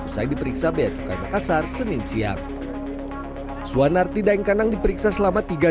saya diperiksa beacukai makassar senin siang suanarti daingkanang diperiksa selama tiga